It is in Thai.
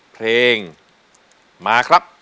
เพลงมาครับ